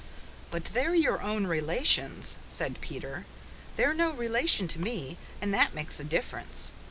"But they're your own relations," said Peter. "They're no relation to me, and that makes a difference.